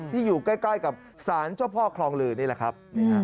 อยู่ใกล้กับสารเจ้าพ่อคลองลือนี่แหละครับ